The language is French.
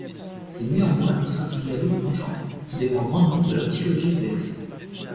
C'est néanmoins une stratégie à double tranchant qui dépend grandement de la psychologie adverse.